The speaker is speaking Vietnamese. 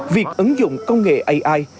việc ứng dụng công nghệ ai